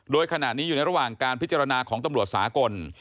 โดยขณะนี้อยู่ในระหว่างการพิจารณาของตำรวจสากล